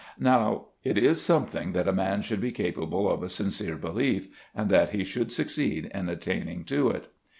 Now it is something that a man should be capable of a sincere belief, and that he should succeed in attaining to it.